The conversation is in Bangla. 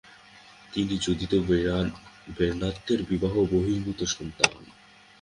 তিনি জুদিত বেরনার্তের বিবাহ-বহির্ভূত সন্তান।